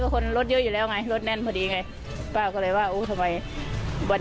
ของเรามีอะไรชัย